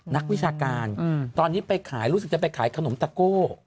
นักวิชาการตอนนี้ไปขายรู้สึกจะไปขายขนมตะโก้